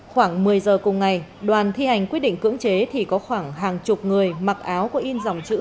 khoảng một mươi giờ cùng ngày đoàn thi hành quyết định cưỡng chế thì có khoảng hàng chục người mặc áo có in dòng chữ